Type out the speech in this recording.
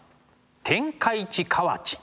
天下一河内